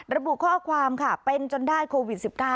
ระบุข้อความค่ะเป็นจนได้โควิด๑๙